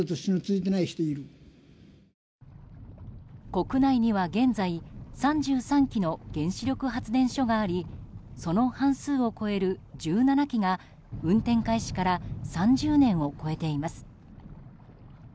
国内には現在３３基の原子力発電所がありその半数を超える１７基が運転開始から３０年を超えています。